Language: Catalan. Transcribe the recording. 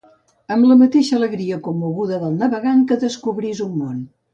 Amb la mateixa alegria commoguda del navegant que descobrís un món.